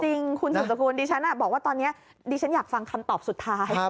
จริงคุณสุดสกุลดิฉันบอกว่าตอนนี้ดิฉันอยากฟังคำตอบสุดท้าย